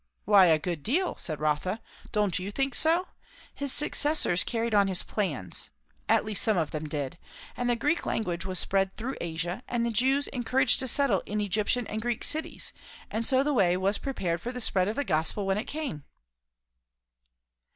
"Why a good deal," said Rotha. "Don't you think so? His successors carried on his plans; at least some of them did; and the Greek language was spread through Asia, and the Jews encouraged to settle in Egyptian and Greek cities; and so the way was prepared for the spread of the gospel when it came."